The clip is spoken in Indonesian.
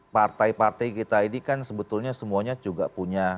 partai partai kita ini kan sebetulnya semuanya juga punya